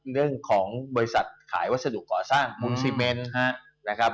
เรื่องของบริษัทขายวัสดุก่อสร้างปูนซีเมนนะครับ